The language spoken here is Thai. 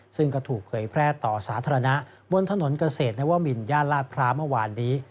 ซึ่งก็ถูกเผยแพร่ต่อสาธารณะบนถนนเกษตรนวมินย่านลาดพร้าวเมื่อวานนี้